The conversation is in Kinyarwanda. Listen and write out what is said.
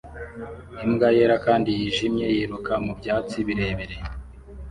Imbwa yera kandi yijimye yiruka mu byatsi birebire